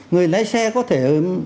người lái xe có thể